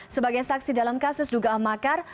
sebagai saksi dalam kasus duga amakar